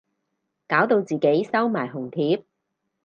搞到自己收埋紅帖